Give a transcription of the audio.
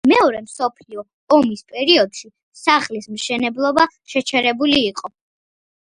მეორე მსოფლიო ომის პერიოდში სახლის მშენებლობა შეჩერებული იყო.